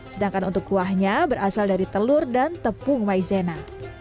sedangkan untuk kuahnya berasal dari telur dan tepung maizena